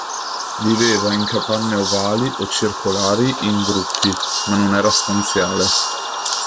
Viveva in capanne ovali o circolari in gruppi, ma non era stanziale.